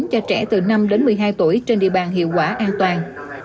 cho trẻ từ năm đến một mươi hai tuổi trên địa bàn hiệu quả an toàn